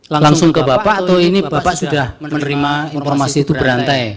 langsung ke bapak atau ini bapak sudah menerima informasi itu berantai